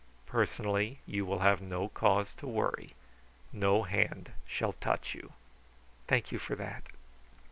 Personally you will have no cause to worry. No hand shall touch you. "Thank you for that."